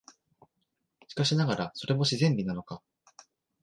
しかしながら、それも自然美なのか、